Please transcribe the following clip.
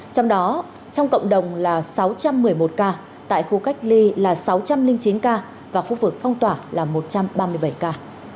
trong đó trong cộng đồng là sáu trăm một mươi một ca tại khu cách ly là sáu trăm linh chín ca và khu vực phong tỏa là một trăm ba mươi bảy ca